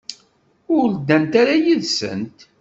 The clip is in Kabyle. Ur ddant ara yid-sent.